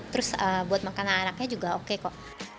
terus buat makanan anaknya juga oke kok